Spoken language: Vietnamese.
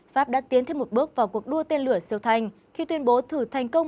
pháp đã tiến thêm một bước vào cuộc đua tên lửa siêu thành khi tuyên bố thử thành công